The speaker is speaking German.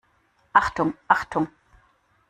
Achtung, Achtung!